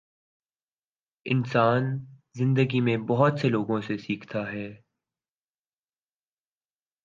انسان زندگی میں بہت سے لوگوں سے سیکھتا ہے۔